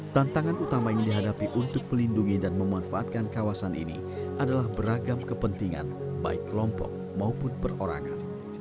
tantangan utama yang dihadapi untuk melindungi dan memanfaatkan kawasan ini adalah beragam kepentingan baik kelompok maupun perorangan